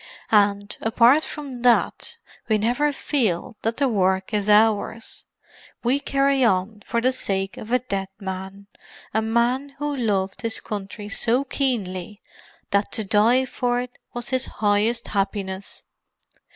And, apart from that, we never feel that the work is ours. We carry on for the sake of a dead man—a man who loved his country so keenly that to die for it was his highest happiness.